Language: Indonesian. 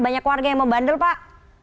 banyak warga yang membandel pak